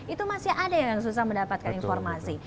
itu masih ada yang susah mendapatkan informasi